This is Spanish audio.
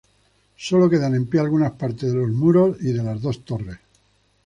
Sólo quedan en pie algunas partes de los muros y de las dos torres.